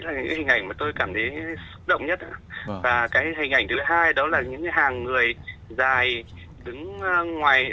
là hình ảnh mà tôi cảm thấy động nhất và cái hình ảnh thứ hai đó là những hàng người dài đứng ngoài